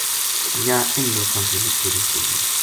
یاہ اِنھ لوکاں کی مُچ بڑی خُوبی